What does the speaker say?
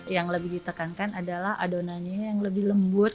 yang lebih ditekankan adalah adonannya yang lebih lembut